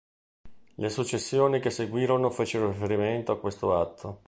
Le successioni che seguirono fecero riferimento a questo atto.